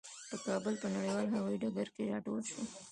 په کابل په نړیوال هوايي ډګر کې راټول شوو.